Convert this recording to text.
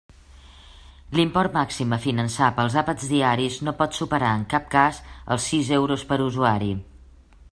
L'import màxim a finançar pels àpats diaris no pot superar en cap cas els sis euros per usuari.